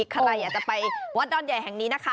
ใครอยากจะไปวัดดอนใหญ่แห่งนี้นะคะ